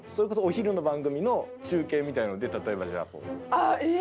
あっえっ